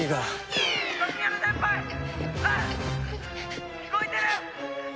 ねえ聞こえてる！？」